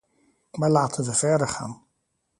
Maar laten we verder gaan.